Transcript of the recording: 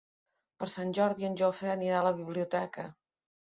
Per Sant Jordi en Jofre anirà a la biblioteca.